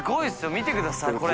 見てくださいこれ。